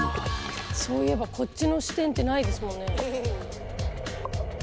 そういえばこっちの視点ってないですもんね。